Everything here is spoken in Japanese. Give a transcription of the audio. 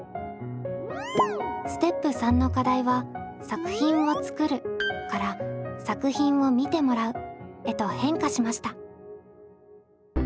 ステップ３の課題は「作品を作る」から「作品を見てもらう」へと変化しました。